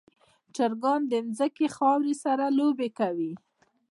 چرګان د ځمکې خاورې سره لوبې کوي.